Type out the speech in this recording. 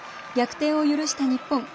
逆転を許した日本。